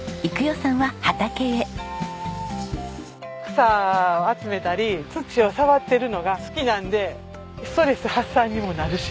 草を集めたり土を触ってるのが好きなんでストレス発散にもなるし。